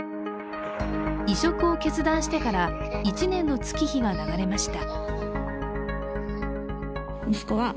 移植を決断してから１年の月日が流れました。